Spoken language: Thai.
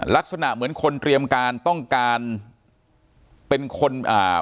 ลักษณะเหมือนคนเตรียมการต้องการเป็นคนอ่า